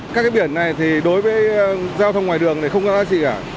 các cái biển này thì đối với giao thông ngoài đường thì không có giá trị cả